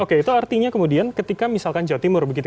oke itu artinya kemudian ketika misalkan jawa timur begitu